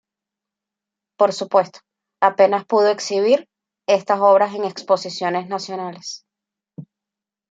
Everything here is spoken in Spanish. Por supuesto, apenas pudo exhibir estas obras en exposiciones nacionales.